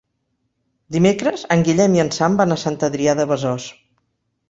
Dimecres en Guillem i en Sam van a Sant Adrià de Besòs.